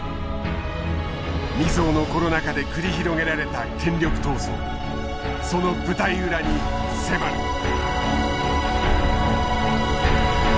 未曽有のコロナ禍で繰り広げられた権力闘争その舞台裏に迫る。